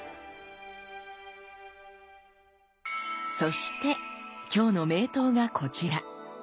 そしてきょうの名刀がこちら。